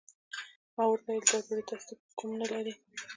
ما ورته وويل دا ډوډۍ تاسو کوم نه لرئ؟